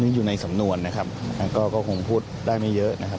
อยู่ในสำนวนนะครับก็คงพูดได้ไม่เยอะนะครับ